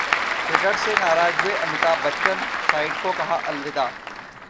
Twitter से नाराज हुए अमिताभ बच्चन, साइट को कहा अलविदा!